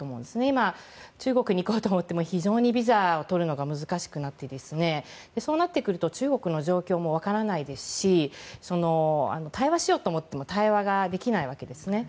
今、中国に行こうと思ってもビザを取るのが非常に難しくなっていてそうなってくると中国の状況も分からないですし対話しようと思っても対話ができないわけですね。